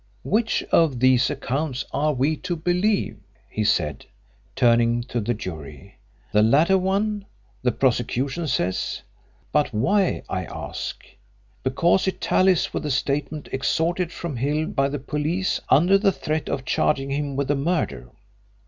"Which of these accounts are we to believe?" he said, turning to the jury. "The latter one, the prosecution says. But why, I ask? Because it tallies with the statement extorted from Hill by the police under the threat of charging him with the murder.